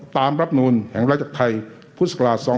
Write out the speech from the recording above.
ตามรับหนุนแห่งราชกรรมไทยพศ๒๕๖๐